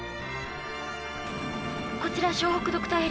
「こちら翔北ドクターヘリです」